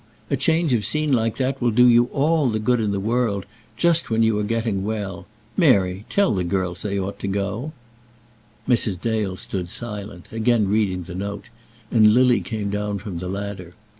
A change of scene like that will do you all the good in the world, just when you are getting well. Mary, tell the girls that they ought to go." Mrs. Dale stood silent, again reading the note, and Lily came down from the ladder.